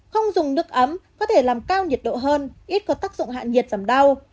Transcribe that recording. không dùng nước ấm có thể làm cao nhiệt độ hơn ít có tác dụng hạ nhiệt giảm đau